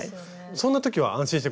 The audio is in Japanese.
そんな時は安心して下さい。